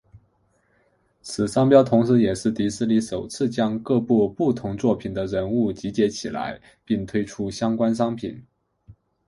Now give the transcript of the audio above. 此商标同时也是迪士尼首次将各部不同作品的人物集结起来并推出相关的商品。